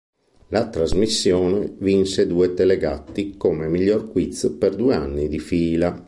La trasmissione vinse due Telegatti come "Miglior quiz" per due anni di fila.